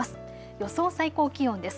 予想最高気温です。